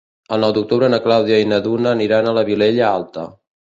El nou d'octubre na Clàudia i na Duna aniran a la Vilella Alta.